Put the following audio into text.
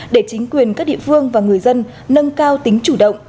để chính quyền các địa phương và người dân nâng cao tính chủ động